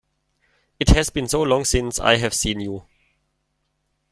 It has been so long since I have seen you!